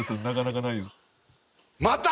なかなかないわ。